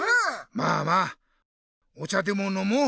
まあまあお茶でものもう。